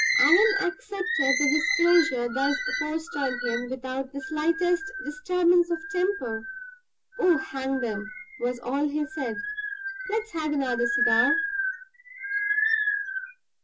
Allan accepted the disclosure thus forced on him without the slightest disturbance of temper. "Oh, hang 'em!" was all he said. "Let's have another cigar."